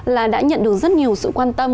là đã nhận được rất nhiều sự quan tâm